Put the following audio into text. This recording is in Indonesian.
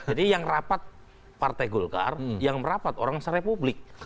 jadi yang rapat partai golkar yang merapat orang se republik